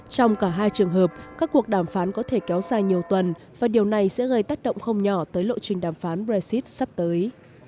trong cả hai trường hợp các cuộc đàm phán có thể kéo dài nhiều tuần và điều này sẽ gây tác động không nhỏ tới lộ trình đàm phán brexit sắp tới